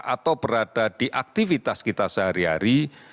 atau berada di aktivitas kita sehari hari